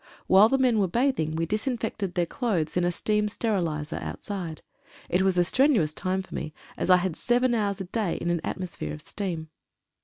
While the men were bathing we disinfected their clothes in a steam sterilizer outside. It was a strenu ous time for me, as I had seven hours a day in an atmosphere of steam.